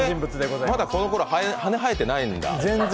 まだこのころ、羽生えてないんだ。